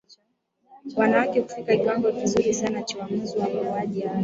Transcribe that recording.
wanaweza kufikia kiwango kizuri sana cha uamuzi wa mauaji hayo